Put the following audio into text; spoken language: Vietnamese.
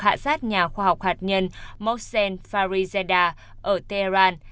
ám sát nhà khoa học hạt nhân mohsen farizadeh ở tehran